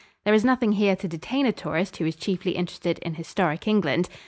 There is nothing here to detain a tourist who is chiefly interested in historic England.